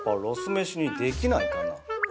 めしにできないかな？